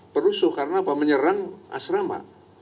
perusuh karena apa menyerang asrama